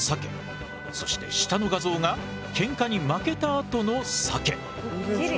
そして下の画像がケンカに負けたあとのサケ。